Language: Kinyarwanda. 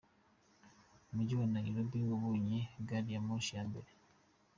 Umujyi wa Nayirobi wabonye Gari ya Moshi ya mbere